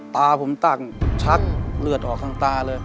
ตาผมตั้งชักเลือดออกทางตาเลย